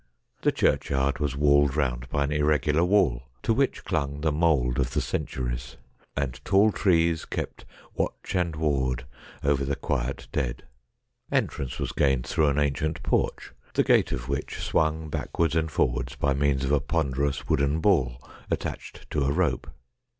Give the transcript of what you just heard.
The churchyard was walled round by an irregular wall, to which clung the mould of the centuries, and tall trees kept watch and ward over the quiet dead. Entrance was gained through an ancient porch, the gate of which swung backwards and forwards by means of a ponderous wooden ball attached to a rope.